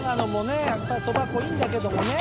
やっぱりそば粉いいんだけどもね。